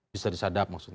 bisa disadap maksudnya